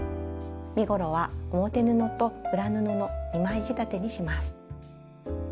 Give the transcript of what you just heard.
身ごろは表布と裏布の２枚仕立てにします。